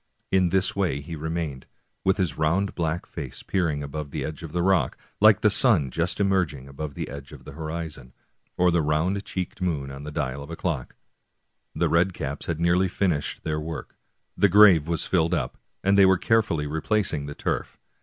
In this way he remained, with his round black face peering above the edge of the rock, like the sun just emerging above the edge of the horizon, or the round cheeked moon on the dial of a clock. The red caps had nearly finished their work, the grave was filled up, and they were carefully replacing the turf.